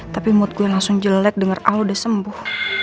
tapi mood gue langsung jelek denger al udah sembuh